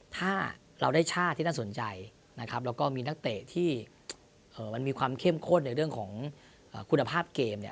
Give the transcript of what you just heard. ถ้าเราได้ชาติที่น่าสนใจนะครับแล้วก็มีนักเตะที่มันมีความเข้มข้นในเรื่องของคุณภาพเกมเนี่ย